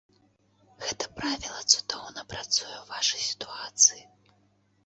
Гэта правіла цудоўна працуе ў вашай сітуацыі.